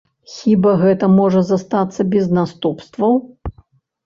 Хіба гэта можа застацца без наступстваў?